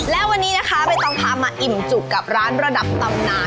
และวันนี้นะคะใบตองพามาอิ่มจุกกับร้านระดับตำนาน